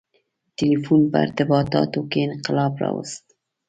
• ټیلیفون په ارتباطاتو کې انقلاب راوست.